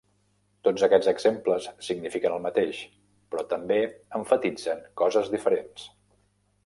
Tots aquests exemples signifiquen el mateix, però també emfatitzen coses diferents.